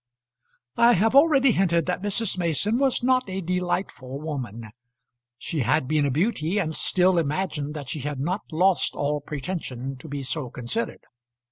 I have already hinted that Mrs. Mason was not a delightful woman. She had been a beauty, and still imagined that she had not lost all pretension to be so considered.